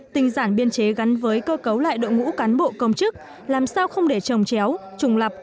tinh giản biên chế gắn với cơ cấu lại đội ngũ cán bộ công chức làm sao không để trồng chéo trùng lập